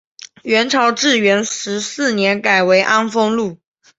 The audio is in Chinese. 元朝至元十四年改为安丰路。